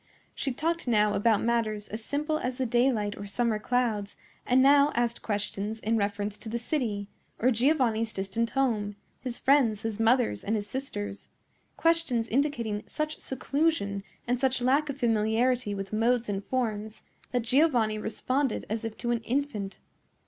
She talked now about matters as simple as the daylight or summer clouds, and now asked questions in reference to the city, or Giovanni's distant home, his friends, his mother, and his sisters—questions indicating such seclusion, and such lack of familiarity with modes and forms, that Giovanni responded as if to an infant.